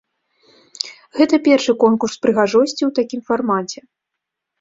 Гэта першы конкурс прыгажосці ў такім фармаце.